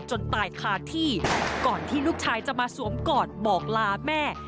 จนตายคาที่ก่อนที่ลูกชายจะมาสวมกอดบอกลาแม่